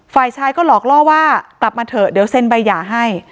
ฝ่ายชายก็หลอกล่อว่ากลับมาเถอะเดี๋ยวเซ็นใบหย่าให้